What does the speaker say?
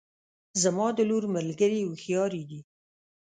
زما د لور ملګرې هوښیارې دي